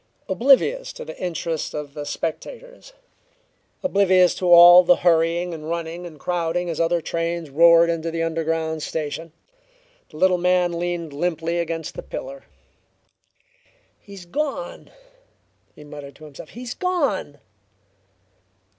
Oblivious to the interest of the spectators, oblivious to all the hurrying and running and crowding as other trains roared into the underground station, the little man leaned limply against a pillar. "He's gone!" he muttered to himself. "He's gone!"